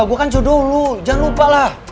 gua kan jodoh lu jangan lupa lah